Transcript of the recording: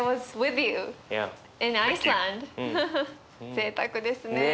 ぜいたくですね。